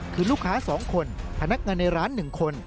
คือลูกค้า๒คนพนักงานในร้าน๑คน